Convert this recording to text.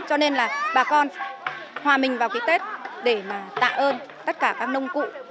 cho nên là bà con hòa mình vào cái tết để mà tạ ơn tất cả các nông cụ